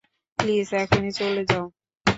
Please এখনই চল যাও।